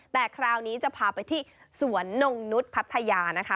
แต่คราวนี้จะพาไปที่สวนนงนุษย์พัทยานะคะ